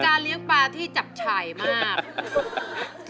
เป็นการเลี้ยงปลาที่จับฉ่ายมาก